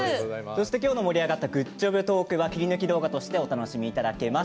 今日の盛り上がったグッジョブ動画は切り抜き動画としてお楽しみいただけます。